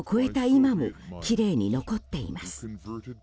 今もきれいに残っています。